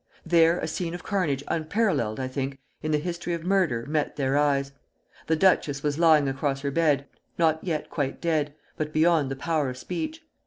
There a scene of carnage unparalleled, I think, in the history of murder met their eyes. The duchess was lying across her bed, not yet quite dead, but beyond the power of speech.